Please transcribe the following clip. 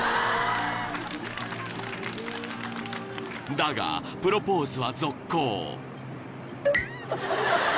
［だがプロポーズは続行］